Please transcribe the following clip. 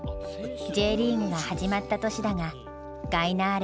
Ｊリーグが始まった年だがガイナーレはまだアマチュア。